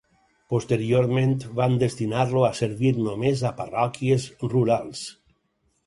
Posteriorment, van destinar-lo a servir només a parròquies rurals.